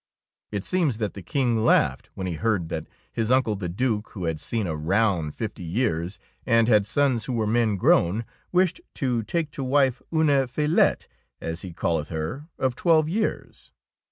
It seems that the King laughed when he heard that his uncle the Due, who had seen a round fifty years and had sons who were men grown, wished to 25 DEEDS OF DABING take to wife " une iBlllette," as he calleth her, of twelve years.